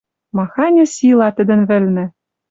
Маханьы сила тӹдӹн вӹлнӹ